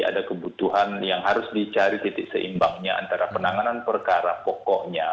ada kebutuhan yang harus dicari titik seimbangnya antara penanganan perkara pokoknya